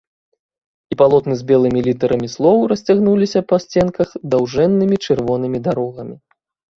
І палотны з белымі літарамі слоў расцягнуліся па сценках даўжэннымі чырвонымі дарогамі.